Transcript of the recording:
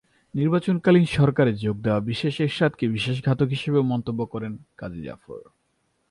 নির্বাচনকালীন সরকারে যোগ দেওয়া বিষয়ে এরশাদকে বিশ্বাসঘাতক হিসেবেও মন্তব্য করেন কাজী জাফর।